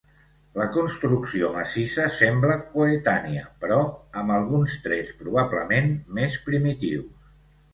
La construcció massissa sembla coetània però amb alguns trets probablement més primitius.